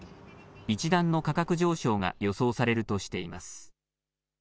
一段の価格上昇が予想されるとしています。